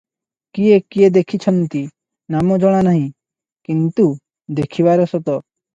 କିଏ କିଏ ଦେଖିଛନ୍ତି, ନାମ ଜଣା ନାହିଁ, କିନ୍ତୁ ଦେଖିବାର ସତ ।